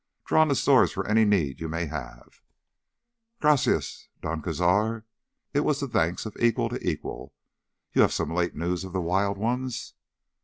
Draw on the stores for any need you may have—" "Gracias, Don Cazar." It was the thanks of equal to equal. "You have some late news of the wild ones?"